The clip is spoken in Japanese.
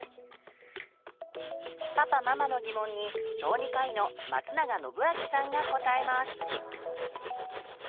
パパママの疑問に小児科医の松永展明さんが答えます。